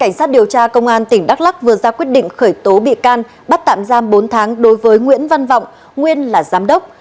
cảnh sát điều tra công an tỉnh đắk lắc vừa ra quyết định khởi tố bị can bắt tạm giam bốn tháng đối với nguyễn văn vọng nguyên là giám đốc